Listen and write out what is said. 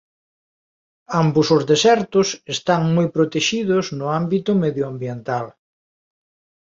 Ambos os desertos están moi protexidos no ámbito medioambiental.